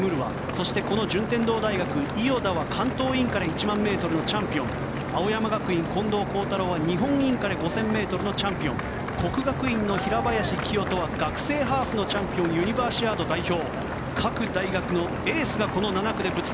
そしてこの順天堂大学伊豫田は関東インカレ１００００ｍのチャンピオン青山学院大学、近藤幸太郎は日本インカレの５０００ｍのチャンピオン國學院の平林清澄は学生ハーフのチャンピオンユニバーシアード代表